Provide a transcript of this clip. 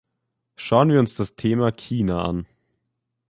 Schauen wir uns das Thema "China" an.